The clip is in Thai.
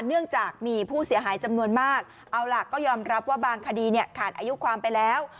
เนื่องจากมีผู้เสียหายจำนวนมากเอาล่ะก็ยอมรับว่าบางคดีเนี่ยขาดอายุความไปแล้ว